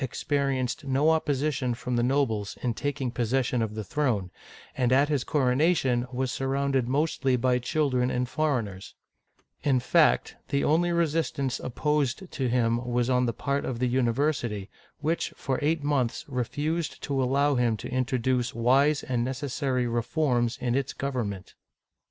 experienced no opposition from the nobles in y Google LOUIS XII. (1498 1515) 219 taking possession of the throne, and at his coronation was surrounded mostly by children and foreigners. In fact, the only resistance opposed to him was on the part of the university, which, for eight months, refused to allow him to introduce wise and necessary reforms in its government.